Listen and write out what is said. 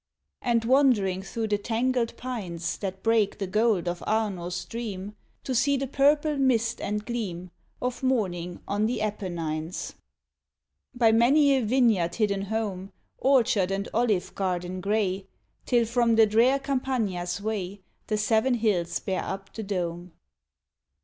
And wandering through the tangled pines That break the gold of Arno's stream, To see the purple mist and gleam Of morning on the Apennines By many a vineyard hidden home, Orchard and olive garden grey, Till from the drear Campagna's way The seven hills bear up the dome!